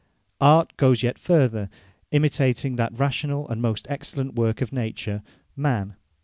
Art goes yet further, imitating that Rationall and most excellent worke of Nature, Man.